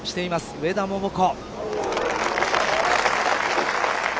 上田桃子。